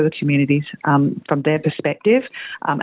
untuk komunitas dari perspektif mereka